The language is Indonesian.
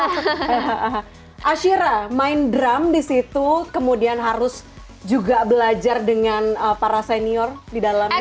hahaha ashira main drum di situ kemudian harus juga belajar dengan para senior di dalamnya